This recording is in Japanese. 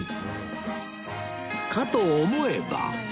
かと思えば